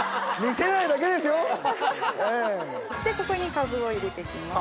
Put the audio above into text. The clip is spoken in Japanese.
ここにかぶを入れていきます。